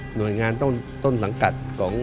หน่วยงานต้นสังกัดของ